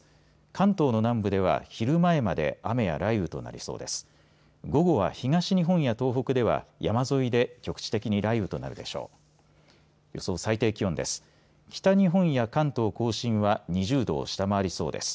関東の南部では昼前まで雨や雷雨となりそうです。